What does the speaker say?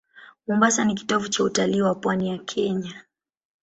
Mombasa ni kitovu cha utalii wa pwani ya Kenya.